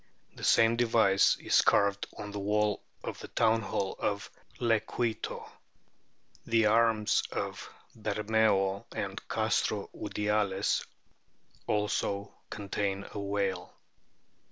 The same device is carved on the wall of the townhall of Lequeito. The arms of Bermeo and Castro Udiales also contain a whale."